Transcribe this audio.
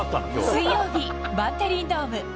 水曜日、バンテリンドーム。